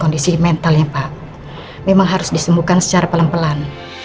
kondisi mentalnya pak memang harus disembuhkan secara pelan pelan